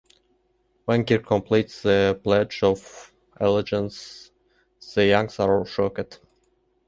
When Kirk completes the Pledge of Allegiance, the Yangs are shocked.